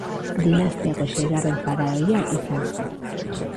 Dinastiako seigarren faraoia izan zen.